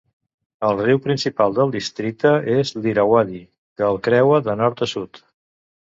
El riu principal del districte és l'Irauadi que el creua de nord a sud.